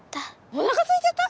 おなかすいちゃった？